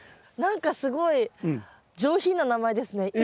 何かすごい上品な名前ですね。